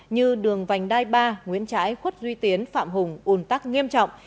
như đường vành đai ba nguyễn trãi khuất duy tiến phạm hùng un tắc nghiêm trọng